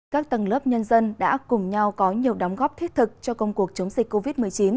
các tầng lớp nhân dân đã cùng nhau có nhiều đóng góp thiết thực cho công cuộc chống dịch covid một mươi chín